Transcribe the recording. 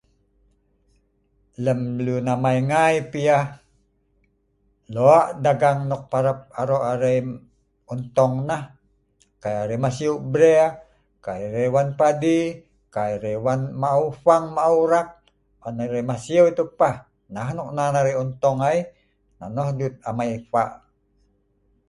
lem lun amai ngai pi yeh lok dagang nok parap aro arai untung nah kai arai masieu bre kai arai wan padi kai arai wan maeu fwang maeu rak on arai masiu yeh tau pah nah nok nan arai untung ai nonoh dut amai fak